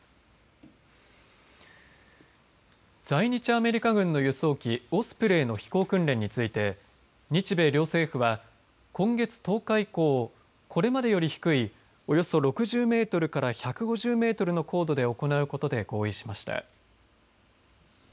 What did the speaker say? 在日アメリカ軍の輸送機オスプレイの飛行訓練について日米両政府は今月１０日以降これまでより低いおよそ６０メートルから１５０メートルの高度で行うことで合意しました。